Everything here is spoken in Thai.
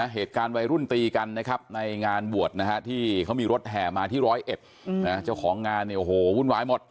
เหตุการณ์วัยรุ่นตีกันนะครับในงานบวชนะฮะที่เขามีรถแห่มาที่ร้อยเอ็ดเจ้าของงานเนี่ยโอ้โหวุ่นวายหมด